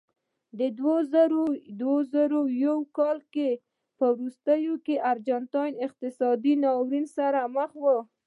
د دوه زره یو کال په وروستیو کې ارجنټاین اقتصادي ناورین سره مخ و.